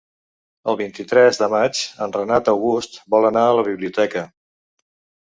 El vint-i-tres de maig en Renat August vol anar a la biblioteca.